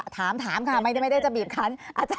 ถามค่ะไม่ได้จะบีบคัน